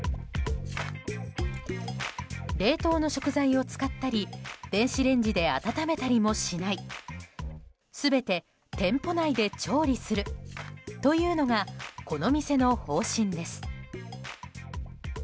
冷凍の食材を使ったり電子レンジで温めたりもしない全て店舗内で調理するというのがこの店の方針です。